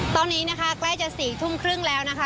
ตอนนี้นะคะใกล้จะ๔ทุ่มครึ่งแล้วนะคะ